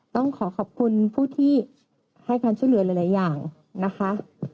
ต้องขอขอบคุณผู้ที่ให้การช่วยเหลือหลายอย่างนะคะ